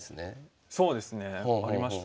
そうですね。ありましたね。